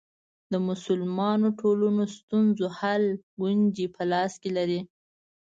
د مسلمانو ټولنو ستونزو حل کونجي په لاس کې لري.